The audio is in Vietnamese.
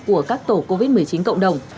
của các tổ covid một mươi chín cộng đồng